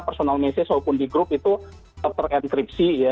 personal message walaupun di grup itu tetap ter enkripsi ya